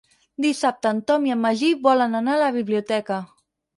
Dissabte en Tom i en Magí volen anar a la biblioteca.